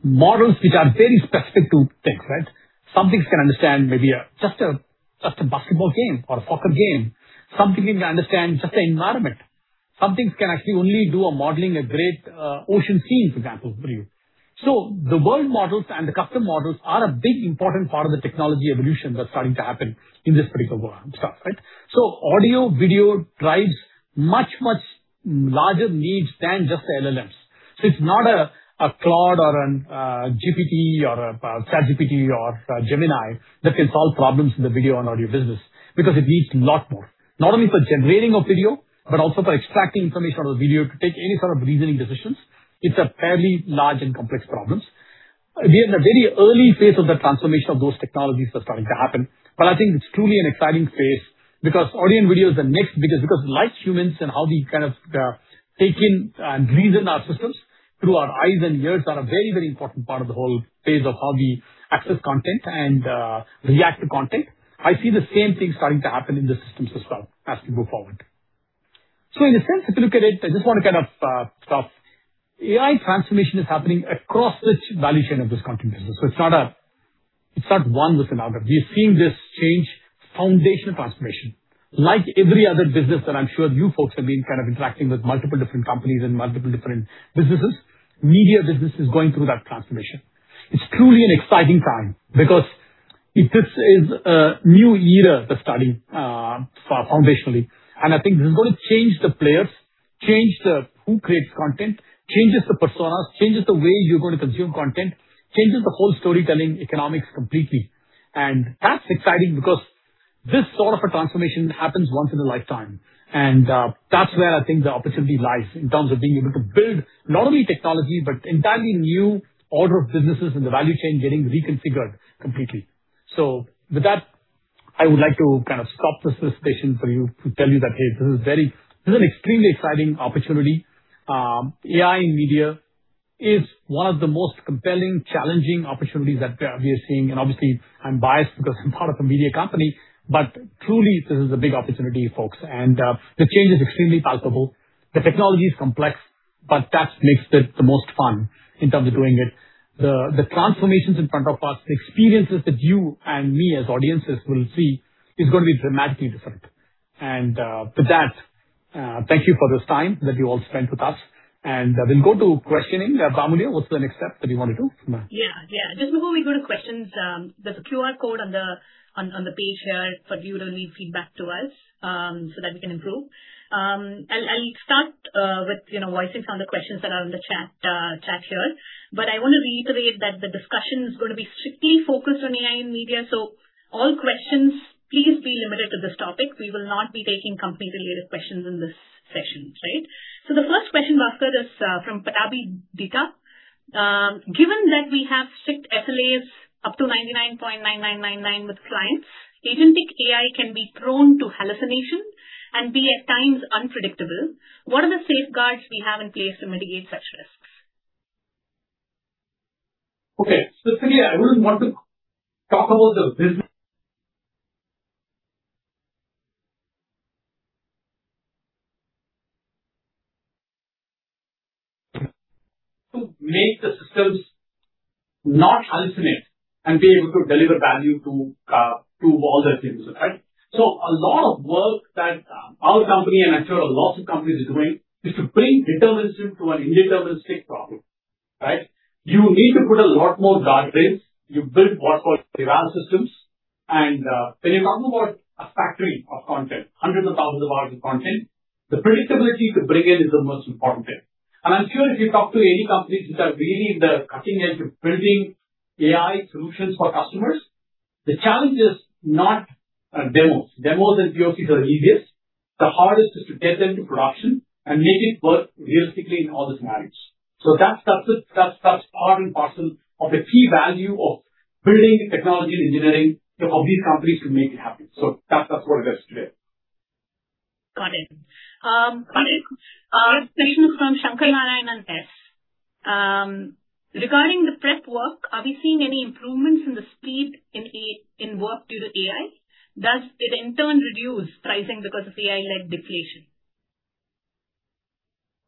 Speaker 2: which are very specific to things, right? Some things can understand maybe just a basketball game or a soccer game. Some things can understand just the environment. Some things can actually only do a modeling, a great ocean scene, for example, for you. The world models and the custom models are a big important part of the technology evolution that's starting to happen in this particular world and stuff, right? Audio-video drives much, much larger needs than just the LLMs. It's not a Claude or a GPT or a ChatGPT or Gemini that can solve problems in the video and audio business, because it needs a lot more. Not only for generating of video, but also for extracting information out of video to take any sort of reasoning decisions. It's a fairly large and complex problems. We are in a very early phase of the transformation of those technologies that are starting to happen. I think it's truly an exciting phase because audio and video is the next biggest, because like humans and how we kind of take in and reason our systems through our eyes and ears are a very, very important part of the whole phase of how we access content and react to content. I see the same thing starting to happen in the systems as well as we move forward. In a sense, if you look at it, I just want to kind of stop. AI transformation is happening across the value chain of this content business. It's not one with another. We're seeing this change, foundational transformation. Like every other business that I'm sure you folks have been kind of interacting with multiple different companies in multiple different businesses, media business is going through that transformation. It's truly an exciting time because this is a new era that's starting foundationally, I think this is going to change the players, change who creates content, changes the personas, changes the way you're going to consume content, changes the whole storytelling economics completely. That's exciting because this sort of a transformation happens once in a lifetime. That's where I think the opportunity lies in terms of being able to build not only technology, but entirely new order of businesses and the value chain getting reconfigured completely. With that, I would like to kind of stop this presentation for you to tell you that, hey, this is an extremely exciting opportunity. AI in media is one of the most compelling, challenging opportunities that we are seeing. Obviously, I'm biased because I'm part of a media company. Truly, this is a big opportunity, folks. The change is extremely palpable. The technology is complex, but that makes it the most fun in terms of doing it. The transformations in front of us, the experiences that you and me as audiences will see is going to be dramatically different. With that, thank you for this time that you all spent with us. We'll go to questioning. Amoolya, what's the next step that you want to do?
Speaker 1: Just before we go to questions, there's a QR code on the page here for you to leave feedback to us, so that we can improve. I want to reiterate that the discussion is going to be strictly focused on AI in media. All questions, please be limited to this topic. We will not be taking company-related questions in this session. Right? The first question, Baskar, is from Pratibha Dita. Given that we have strict SLAs up to 99.9999 with clients, agentic AI can be prone to hallucination and be at times unpredictable. What are the safeguards we have in place to mitigate such risks?
Speaker 2: Okay. Salia, I wouldn't want to talk about the business. To make the systems not hallucinate and be able to deliver value to all their things, right. A lot of work that our company, and I'm sure a lot of companies are doing, is to bring determinism to an indeterministic problem, right. You need to put a lot more guardrails. You build what's called evaluation systems. And when you're talking about a factory of content, hundreds of thousands of hours of content, the predictability to bring in is the most important thing. And I'm sure if you talk to any companies which are really in the cutting edge of building AI solutions for customers, the challenge is not demos. Demos and POCs are the easiest. The hardest is to get them to production and make it work realistically in all this manage. That's part and parcel of the key value of building the technology and engineering of these companies to make it happen. That's what it is today.
Speaker 1: Got it. Got it. A question from Shankar Narayanan S. Regarding the prep work, are we seeing any improvements in the speed in work due to AI? Does it in turn reduce pricing because of AI-led deflation?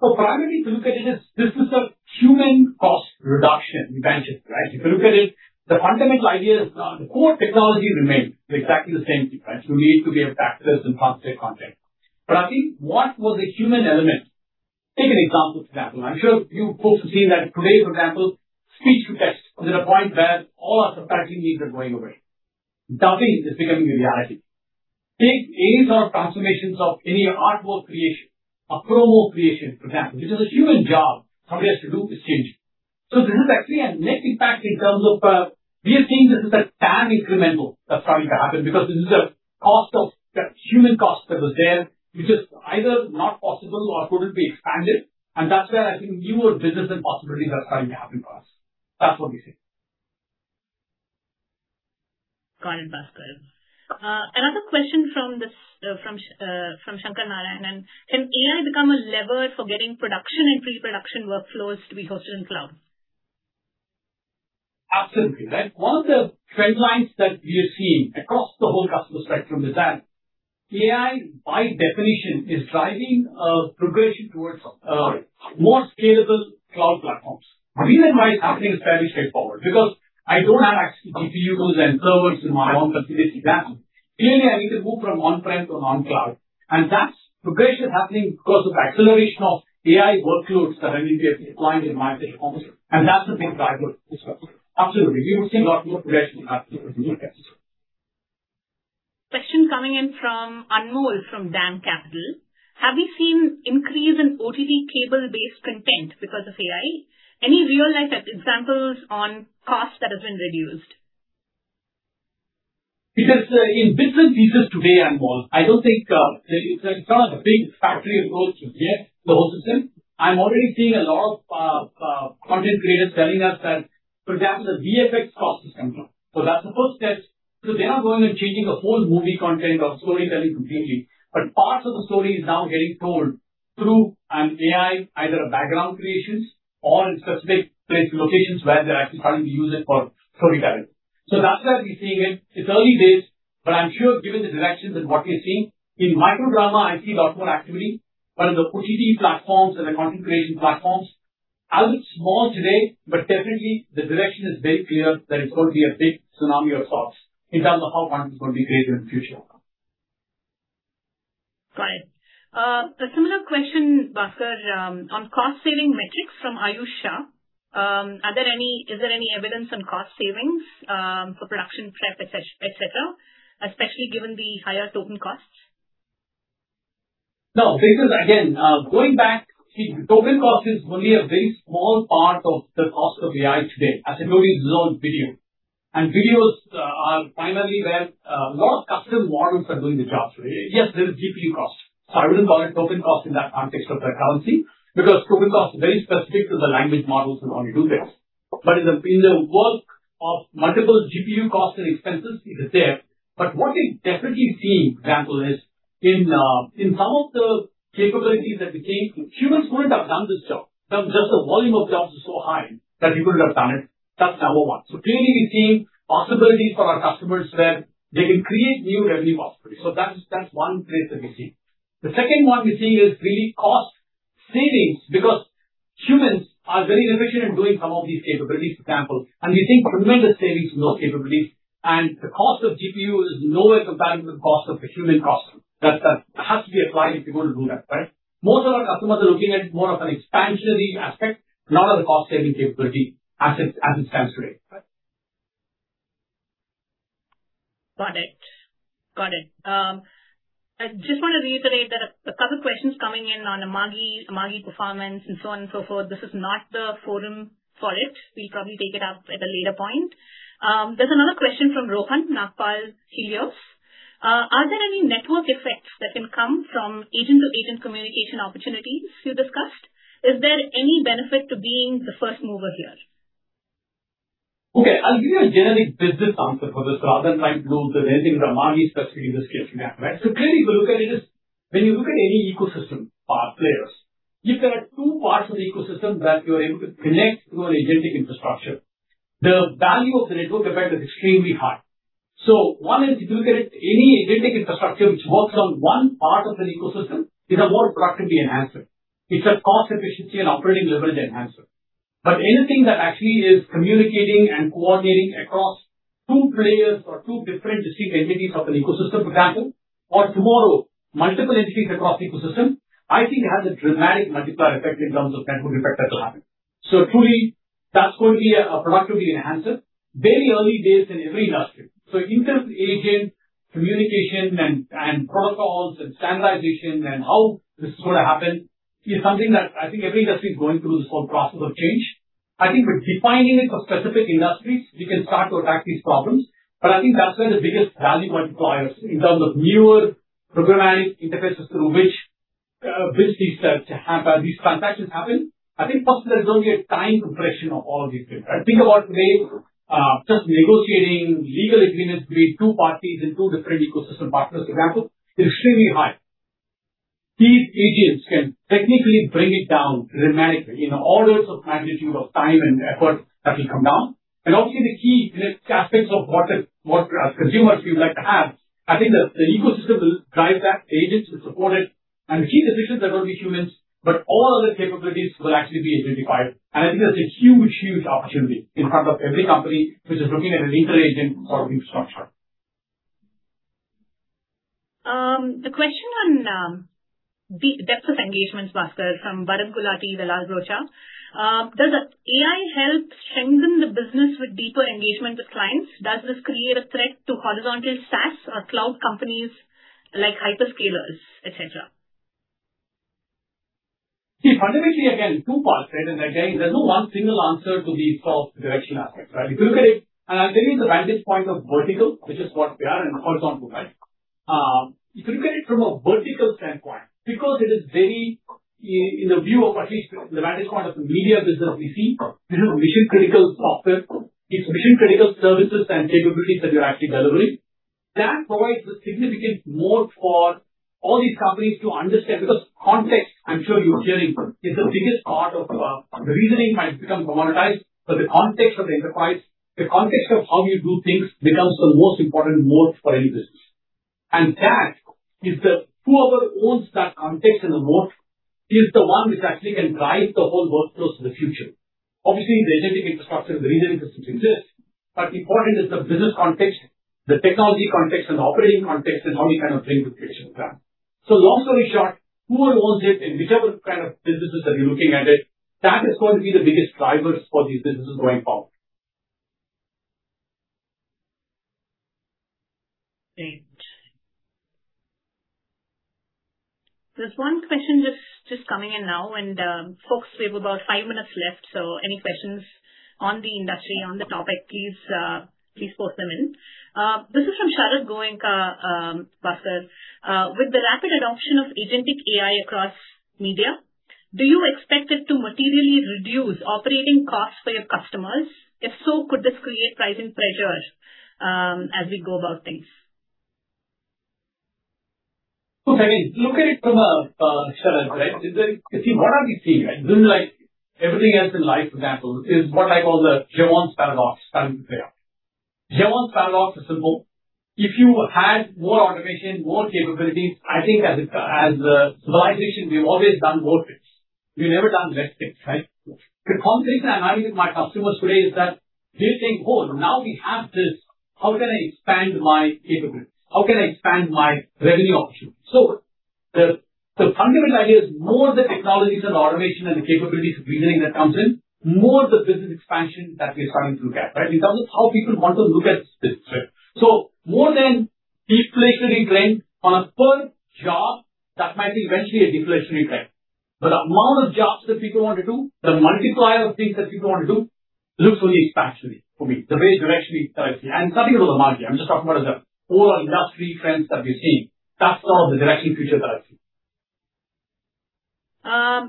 Speaker 2: Primarily, if you look at it, this is a human cost reduction advantage. Right. If you look at it, the fundamental idea is the core technology remains exactly the same. We need to be as factors and transit content. I think what was the human element. Take an example, for example. I'm sure you folks have seen that today, for example, speech to text is at a point where all our sub-packaging needs are going away. Dubbing is becoming a reality. Take any sort of transformations of any artwork creation or promo creation, for example, which is a human job somebody has to do, is changing. This is actually a net impact in terms of, we are seeing this as a net incremental that's starting to happen because this is a human cost that was there, which is either not possible or couldn't be expanded. That's where I think newer business and possibilities are starting to happen for us. That's what we're seeing.
Speaker 1: Got it, Baskar. Another question from Shankaranarayanan. Can AI become a lever for getting production and pre-production workflows to be hosted in cloud?
Speaker 2: Absolutely. One of the trend lines that we are seeing across the whole customer spectrum is that AI, by definition, is driving a progression towards more scalable cloud platforms. The reason why it's happening is fairly straightforward, because I don't have access to GPUs and servers in my own facility. Clearly, I need to move from on-prem to on-cloud. That progression is happening because of acceleration of AI workloads that are being deployed in my digital office, and that's a big driver. Absolutely. We are seeing lot more progression happening with new tests.
Speaker 1: Question coming in from Anmol from DAM Capital. Have we seen increase in OTT cable-based content because of AI? Any real-life examples on cost that has been reduced?
Speaker 2: In bits and pieces today, Anmol, I don't think there is a big factory approach to the whole system. I'm already seeing a lot of content creators telling us that, for example, the VFX cost has come down. That's the first step. They are going and changing the whole movie content or storytelling completely. Parts of the story is now getting told through an AI, either background creations or in specific locations where they're actually starting to use it for storytelling. That's where we're seeing it. It's early days, I'm sure given the directions and what we are seeing, in micro-drama, I see a lot more activity. In the OTT platforms and the content creation platforms, although small today, but definitely the direction is very clear that it's going to be a big tsunami of sorts in terms of how content is going to be created in future.
Speaker 1: Got it. A similar question, Baskar, on cost-saving metrics from Ayush Shah. Is there any evidence on cost savings for production prep, et cetera, especially given the higher token costs?
Speaker 2: Again, going back, see, token cost is only a very small part of the cost of AI today, as it only loads video. Videos are primarily where a lot of customer models are doing the job today. Yes, there is GPU cost. I wouldn't call it token cost in that context of that currency, because token cost is very specific to the language models that only do this. In the work of multiple GPU cost and expenses, it is there. What we're definitely seeing, for example, is in some of the capabilities that we came through, humans wouldn't have done this job. Just the volume of jobs is so high that people would have done it. That's number one. Clearly, we're seeing possibilities for our customers where they can create new revenue possibilities. That's one place that we're seeing. The second one we're seeing is really cost savings because humans are very inefficient in doing some of these capabilities, for example, and we think tremendous savings in those capabilities. The cost of GPU is nowhere compared to the cost of the human cost that has to be applied if you're going to do that, right? Most of our customers are looking at more of an expansionary aspect, lot of the cost-saving capability as it stands today.
Speaker 1: Got it. I just want to reiterate that a couple of questions coming in on Amagi performance and so on and so forth. This is not the forum for it. We'll probably take it up at a later point. There's another question from Rohan Nagpal, Helios. Are there any network effects that can come from agent-to-agent communication opportunities you discussed? Is there any benefit to being the first mover here?
Speaker 2: Okay. I'll give you a generic business answer for this rather than trying to do anything with Amagi specifically in this case. Clearly, if you look at it, when you look at any ecosystem players, if there are two parts of the ecosystem that you are able to connect to an agentic infrastructure, the value of the network effect is extremely high. One is, if you look at any agentic infrastructure which works on one part of an ecosystem, it's a more productivity enhancer. It's a cost efficiency and operating leverage enhancer. Anything that actually is communicating and coordinating across two players or two different distinct entities of an ecosystem, for example, or tomorrow, multiple entities across ecosystem, I think it has a dramatic multiplier effect in terms of network effect that will happen. Truly, that's going to be a productivity enhancer. Very early days in every industry. In terms of agent communication and protocols and standardization and how this is going to happen is something that I think every industry is going through this whole process of change. I think by defining it for specific industries, we can start to attack these problems. I think that's where the biggest value multipliers in terms of newer programmatic interfaces through which these transactions happen. I think first there's going to be a time compression of all these things, right? Think about today, just negotiating legal agreements between two parties and two different ecosystem partners, for example, is extremely high. These agents can technically bring it down dramatically, in orders of magnitude of time and effort that will come down. Obviously, the key aspects of what us consumers would like to have, I think the ecosystem will drive that. Agents will support it. The key decisions are going to be humans, all other capabilities will actually be agentified. I think that's a huge opportunity in front of every company which is looking at an agentic infrastructure.
Speaker 1: The question on the depth of engagements, Baskar, from Bharat Gulati, Velas Rocha. Does AI help strengthen the business with deeper engagement with clients? Does this create a threat to horizontal SaaS or cloud companies like hyperscalers, et cetera?
Speaker 2: See, fundamentally, again, two parts. There's no one single answer to these sort of direction aspects, right? I'll tell you the vantage point of vertical, which is what we are, and horizontal. If you look at it from a vertical standpoint, because it is very, in the view of at least the vantage point of the media business we see, this is mission-critical software. It's mission-critical services and capabilities that you're actually delivering. That provides a significant moat for all these companies to understand. Because context, I'm sure you're hearing. The reasoning might become commoditized, but the context of the enterprise, the context of how you do things becomes the most important moat for any business. Whoever owns that context and the moat is the one which actually can drive the whole workflows of the future. Obviously, the agentic infrastructure, the reasoning system exists, but important is the business context, the technology context, and the operating context, and how you bring the creation of that. Long story short, whoever owns it in whichever kind of businesses that you're looking at it, that is going to be the biggest drivers for these businesses going forward.
Speaker 1: Great. There's one question just coming in now, folks, we have about five minutes left, any questions on the industry, on the topic, please post them in. This is from Sharad Goenka, Bhaskar. With the rapid adoption of agentic AI across media, do you expect it to materially reduce operating costs for your customers? If so, could this create pricing pressures as we go about things?
Speaker 2: Look at it from a seller's lens. What are we seeing? Like everything else in life, for example, is what I call the Jevons paradox starting to play out. Jevons paradox is simple. If you had more automation, more capabilities, I think as a civilization, we've always done more things. We've never done less things, right? The conversation I'm having with my customers today is that they're saying, "Oh, now we have this. How can I expand my capabilities? How can I expand my revenue options?" The fundamental idea is more the technologies and automation and the capabilities of reasoning that comes in, more the business expansion that we're starting to look at, right? In terms of how people want to look at this trip. More than deflationary trend on a per job, that might be eventually a deflationary trend. The amount of jobs that people want to do, the multiplier of things that people want to do looks only expansionary for me, the way directionally that I see. It's nothing about Amagi. I'm just talking about as a whole industry trends that we're seeing. That's some of the direction future that I see.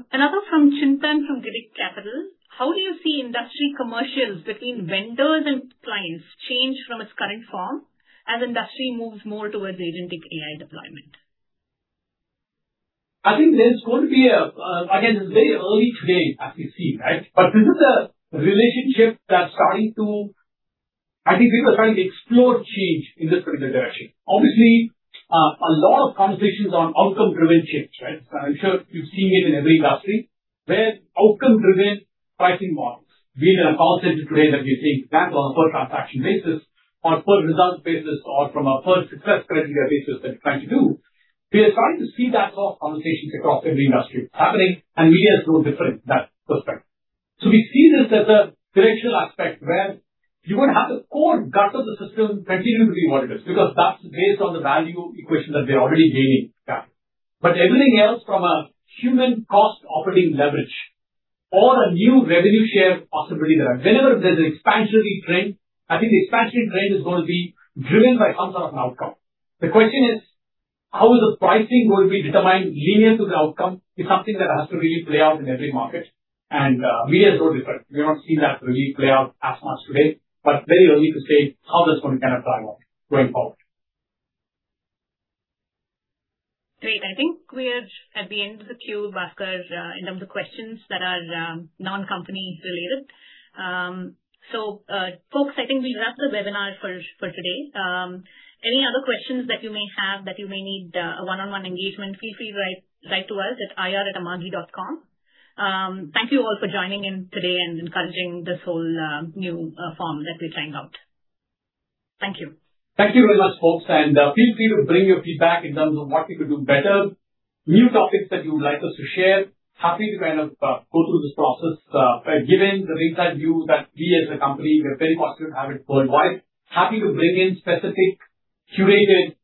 Speaker 1: Another from Chintan from Girik Capital. How do you see industry commercials between vendors and clients change from its current form as industry moves more towards agentic AI deployment?
Speaker 2: I think there's going to be. Again, it's very early today as we see, right? This is a relationship that's starting to. I think people are starting to explore change in this particular direction. Obviously, a lot of conversations on outcome-driven change, right? I'm sure you've seen it in every industry, where outcome-driven pricing models, be it a call center today that we're seeing, that on a per transaction basis or per results basis or from a per success criteria basis that you're trying to do. We are starting to see that sort of conversations across every industry happening, and media is no different in that perspective. We see this as a directional aspect where you will have the core gut of the system continuing to be what it is, because that's based on the value equation that we are already gaining. Everything else from a human cost operating leverage or a new revenue share possibility that whenever there's an expansionary trend, I think the expansionary trend is going to be driven by some sort of an outcome. The question is, how is the pricing going to be determined linear to the outcome is something that has to really play out in every market, and media is no different. We don't see that really play out as much today, but very early to say how that's going to play out going forward.
Speaker 1: Great. I think we are at the end of the queue, Baskar, in terms of questions that are non-company related. Folks, I think we wrap the webinar for today. Any other questions that you may have that you may need a one-on-one engagement, feel free to write to us at ir@amagi.com. Thank you all for joining in today and encouraging this whole new form that we're trying out. Thank you.
Speaker 2: Thank you very much, folks. Feel free to bring your feedback in terms of what we could do better, new topics that you would like us to share. Happy to go through this process. Given the ringside view that we as a company, we're very fortunate to have it worldwide. Happy to bring in specific curated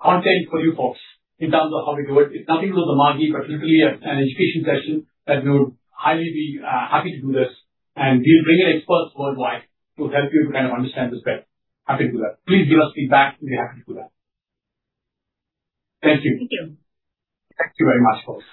Speaker 2: content for you folks in terms of how we do it. It's nothing about Amagi, particularly an education session that we would highly be happy to do this. We'll bring in experts worldwide to help you to understand this better. Happy to do that. Please give us feedback. We'd be happy to do that. Thank you.
Speaker 1: Thank you.
Speaker 2: Thank you very much, folks.